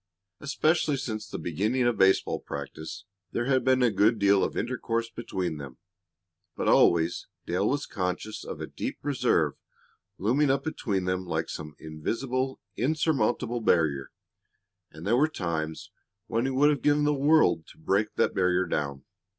Especially since the beginning of baseball practice there had been a good deal of intercourse between them, but always Dale was conscious of a deep reserve looming up between them like some invisible, insurmountable barrier. And there were times when he would have given the world to break that barrier down.